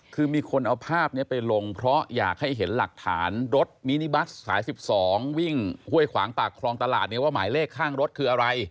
คือมีคนเอาภาพนี้ไปลงเพราะอยากให้เห็นหลักฐานรถมินิบัสสาย๑๒วิ่งห้วยขวางปากคลองตลาดเนี่ยว่าหมายเลขข้างรถคืออะไร